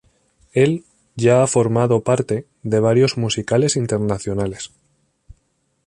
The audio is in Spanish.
Él ya ha formado parte de varios musicales internacionales.